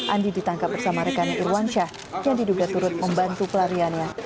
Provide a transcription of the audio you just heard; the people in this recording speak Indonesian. andi ditangkap bersama rekannya irwan syah yang diduga turut membantu pelariannya